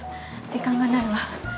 時間がないわ。